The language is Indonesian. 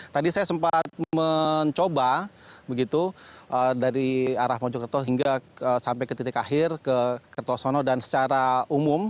tadi saya sempat mencoba begitu dari arah mojokerto hingga sampai ke titik akhir ke kertosono dan secara umum